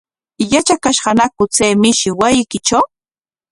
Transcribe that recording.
¿Yatrakashqañaku chay mishi wasiykitraw?